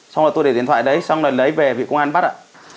xong rồi tôi để điện thoại đấy xong rồi lấy về bị công an bắt ạ